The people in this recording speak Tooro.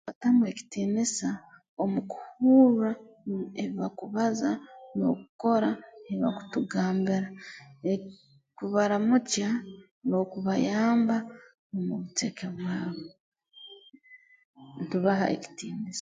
Kutamu ekitiinisa omu kuhurra ebi bakubaza n'okukora ebi bakutugambira ek kubaramukya n'okubayamba omu buceke bwabo ntubaha ekitiinisa